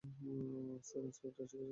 Sir, inspector এসে গেছে।